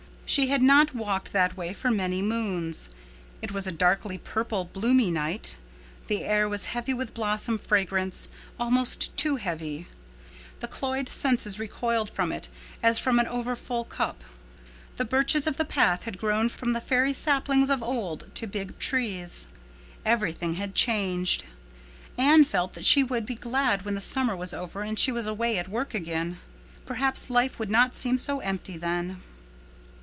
She had not walked that way for many moons. It was a darkly purple bloomy night. The air was heavy with blossom fragrance—almost too heavy. The cloyed senses recoiled from it as from an overfull cup. The birches of the path had grown from the fairy saplings of old to big trees. Everything had changed. Anne felt that she would be glad when the summer was over and she was away at work again. Perhaps life would not seem so empty then.